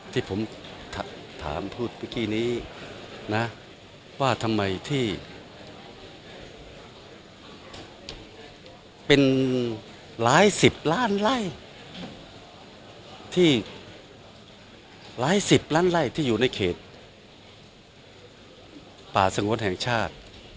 ที่ผมถามพูดเมื่อกี้นี้นะว่าทำไมที่เป็นหลายสิบล้านไล่ที่หลายสิบล้านไล่ที่อยู่ในเขตป่าสงวนแห่งชาติ